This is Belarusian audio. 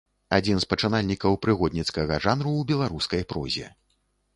Адзін з пачынальнікаў прыгодніцкага жанру ў беларускай прозе.